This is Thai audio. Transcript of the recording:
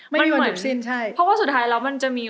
ไม่มีวันหยุดสิ้นใช่เพราะว่าสุดท้ายแล้วมันจะมี